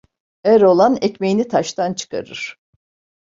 Er olan ekmeğini taştan çıkarır.